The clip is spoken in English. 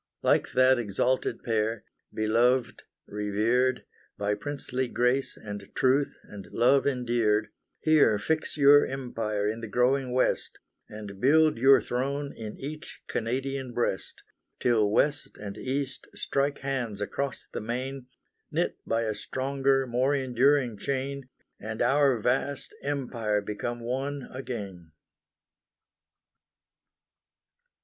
Like that exalted Pair, beloved, revered, By princely grace, and truth and love endeared, Here fix your empire in the growing West, And build your throne in each Canadian breast, Till West and East strike hands across the main, Knit by a stronger, more enduring chain, And our vast Empire become one again.